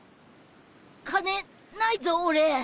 金ないぞ俺